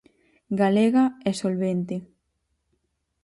"Galega e solvente".